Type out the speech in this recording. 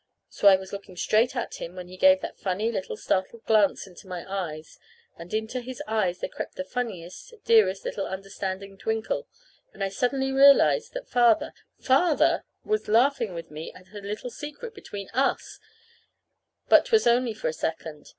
So I was looking straight at him when he gave that funny little startled glance into my eyes. And into his eyes then there crept the funniest, dearest little understanding twinkle and I suddenly realized that Father, Father, was laughing with me at a little secret between us. But 't was only for a second.